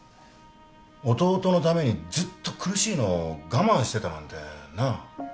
弟のためにずっと苦しいのを我慢してたなんてな。